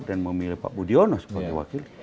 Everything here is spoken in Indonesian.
dan memilih pak budiono sebagai wakil